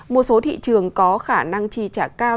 một số thị trường có khả năng chi trả cao